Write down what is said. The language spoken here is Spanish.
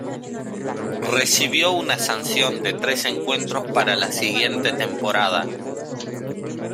Recibió una sanción de tres encuentros para la siguiente temporada.